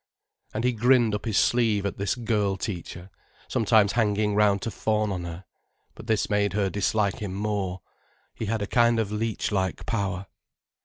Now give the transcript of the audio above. And he grinned up his sleeve at this girl teacher, sometimes hanging round her to fawn on her. But this made her dislike him more. He had a kind of leech like power.